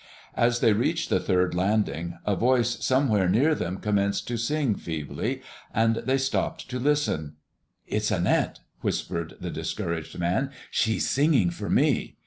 As they reached the third landing, a voice somewhere near them commenced to sing feebly, and they stopped to listen. "It's Annette," whispered the Discouraged Man; "she's singing for me.